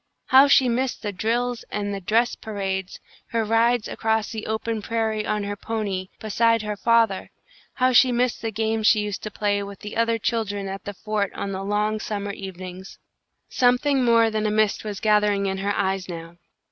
How she missed the drills and the dress parades; her rides across the open prairie on her pony, beside her father; how she missed the games she used to play with the other children at the fort on the long summer evenings! Something more than a mist was gathering in her eyes now.